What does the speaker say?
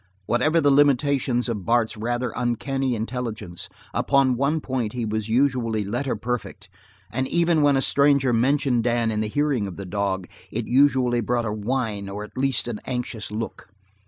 Whatever the limitations of Bart's rather uncanny intelligence, upon one point he was usually letter perfect, and even when a stranger mentioned Dan in the hearing of the dog it usually brought a whine or at least an anxious look.